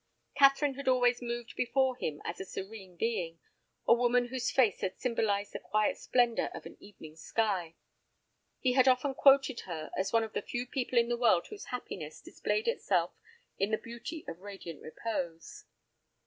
Catherine had always moved before him as a serene being, a woman whose face had symbolized the quiet splendor of an evening sky. He had often quoted her as one of the few people in the world whose happiness displayed itself in the beauty of radiant repose.